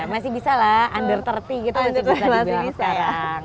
masih bisa lah under tiga puluh gitu masih bisa dibilang sekarang